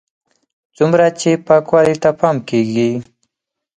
څومره چې پاکوالي ته پام کېږي.